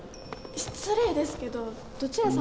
失礼ですけどどちら様ですか？